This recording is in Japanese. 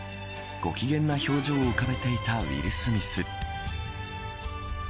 ご機嫌な表情を浮かべていたウィル・スミス。